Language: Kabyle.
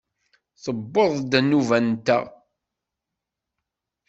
Tewweḍ-d nnuba-nteɣ!